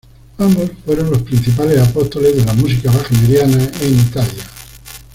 Ambos fueron los principales apóstoles de la música wagneriana en Italia.